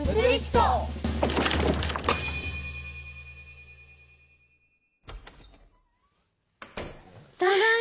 ただいま。